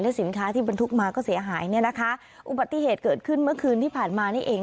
สินค้าที่บรรทุกมาก็เสียหายเนี่ยนะคะอุบัติเหตุเกิดขึ้นเมื่อคืนที่ผ่านมานี่เอง